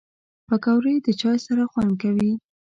پکورې د چای سره خوند کوي